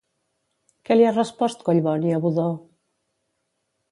Què li ha respost Collboni a Budó?